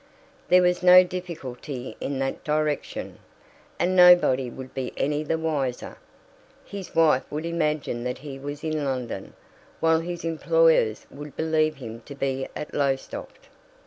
There was no difficulty in that direction, and nobody would be any the wiser. His wife would imagine that he was in London, while his employers would believe him to be at Lowestoft.